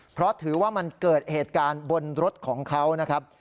เพราะถือว่ามันเกิดเหตุการณ์บนรถของเขานะครับ